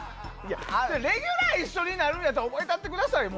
レギュラー一緒になるんやったら覚えたってくださいよ。